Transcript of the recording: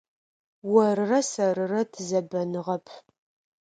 Орырэ сэрырэ тызэбэныгъэп.